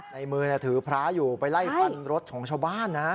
ในมือถือพระอยู่ไปไล่ฟันรถของชาวบ้านนะ